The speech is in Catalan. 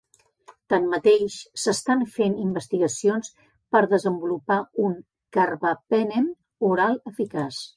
Tanmateix, s'estan fent investigacions per desenvolupar un carbapenem oral eficaç.